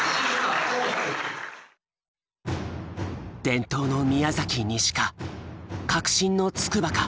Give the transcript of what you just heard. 伝統の宮崎西か革新の筑波か。